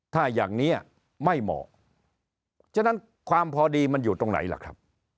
ถ้าอย่างนี้ไม่เหมาะฉะนั้นความพอดีมันอยู่ตรงไหนล่ะครับ